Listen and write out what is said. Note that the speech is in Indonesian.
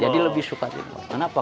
jadi lebih suka kenapa